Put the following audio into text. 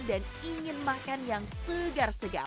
dan ingin makan yang segar segar